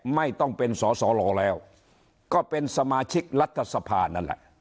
ไม่ต้องเป็นสอสอรอแล้วก็เป็นสมาชิกรัฐสภานั่นแหละ